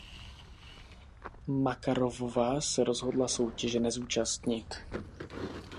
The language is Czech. Makarovová se rozhodla soutěže nezúčastnit.